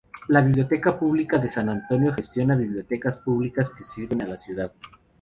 La Biblioteca Pública de San Antonio gestiona bibliotecas públicas que sirven a la ciudad.